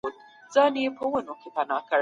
د ضرورت په وخت کي جبري مالیه اخیستل کیږي.